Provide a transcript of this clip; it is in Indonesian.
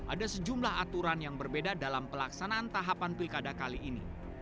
ada sejumlah aturan yang berbeda dalam pelaksanaan tahapan pilkada kali ini